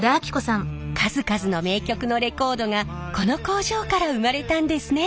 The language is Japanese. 数々の名曲のレコードがこの工場から生まれたんですね。